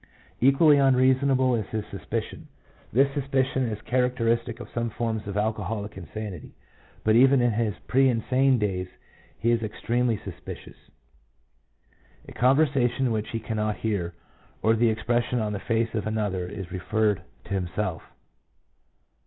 Equally unreasonable is his sus picion. This suspicion is characteristic of some forms of alcoholic insanity, but even in his pre insane days he is extremely suspicious. A conversation which he cannot hear, or the expression on the face of another, is referred to himself.